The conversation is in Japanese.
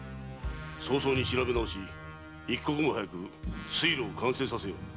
早々に調べ直し一刻も早く水路を完成させよ〕